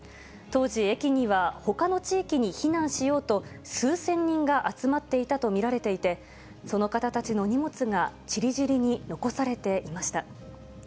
当時、駅にはほかの地域に避難しようと、数千人が集まっていたと見られていて、その方たちの荷物がちりぢりに残されていました。